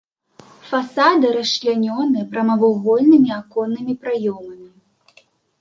Фасады расчлянёны прамавугольнымі аконнымі праёмамі.